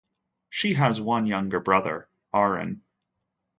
She has one younger brother, Arun.